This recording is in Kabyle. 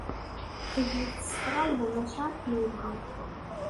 Eg-it s tɣawla maca akken yelha.